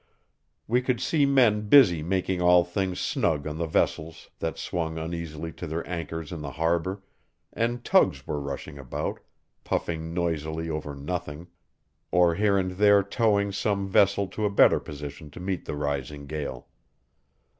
We could see men busy making all things snug on the vessels that swung uneasily to their anchors in the harbor, and tugs were rushing about, puffing noisily over nothing, or here and there towing some vessel to a better position to meet the rising gale.